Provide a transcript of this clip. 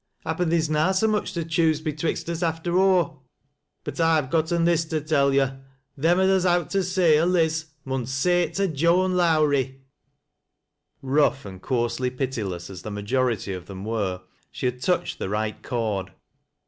Happen theer's na BO much to choose betwixt us after aw. But I've gotten this to tell yo' — them as has owt to say o' Liz, mnn Bay it to Joan Lowrie !" Eough, and coarsely pitiless as the majority of them were, she had touched the right chord.